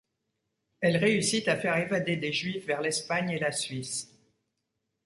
Elle réussit à faire évader des Juifs vers l'Espagne et la Suisse.